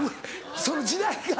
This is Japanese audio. その時代が。